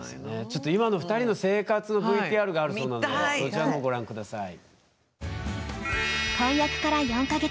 ちょっと今の２人の生活のＶＴＲがあるそうなのでそちらのほうご覧下さい。